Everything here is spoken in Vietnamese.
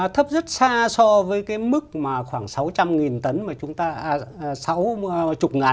thấp rất xa so với cái mức mà khoảng sáu trăm linh tấn mà chúng ta